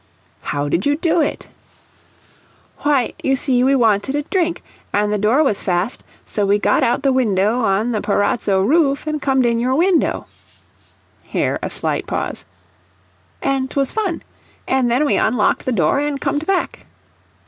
"How did you do it?" "Why, you see we wanted a drink, an' the door was fast, so we got out the window on the parazzo roof, an' comed in your window." (Here a slight pause.) "An' 'twas fun. An' then we unlocked the door, an' comed back."